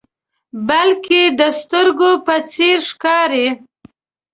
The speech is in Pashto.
بلکې د سترګو په څیر ښکاري.